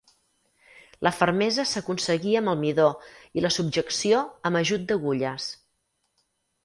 La fermesa s'aconseguia amb el midó i la subjecció amb ajut d'agulles.